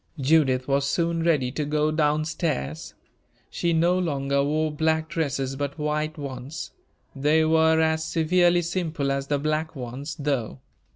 Judith was soon ready to go down stairs. She no longer wore black dresses, but white ones. They were as severely simple as the black ones, though.